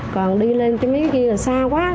còn đi lên chứ mấy kia là xa quá